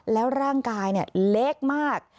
แล้วร่างกายเล็กมาก